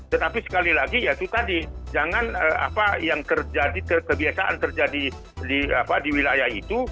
tetapi sekali lagi ya itu tadi jangan apa yang terjadi kebiasaan terjadi di wilayah itu